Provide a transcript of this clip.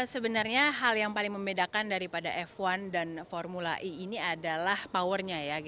sebenarnya hal yang paling membedakan daripada f satu dan formula e ini adalah powernya ya